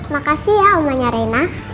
makasih ya omanya rena